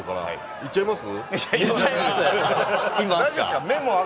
言っちゃいます？